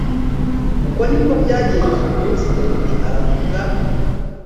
uko ni ko byagenze uwo munsi dawidi aravuga